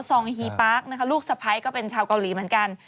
ซองฮีปั๊กลูกสะพ้ายก็เป็นชาวกาหลีเหมือนกัน